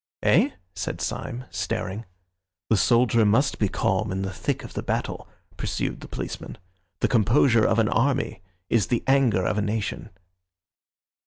"Eh?" said Syme, staring. "The soldier must be calm in the thick of the battle," pursued the policeman. "The composure of an army is the anger of a nation."